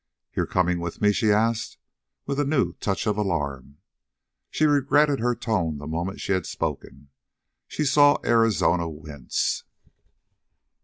"You're coming with me?" she asked, with a new touch of alarm. She regretted her tone the moment she had spoken. She saw Arizona wince.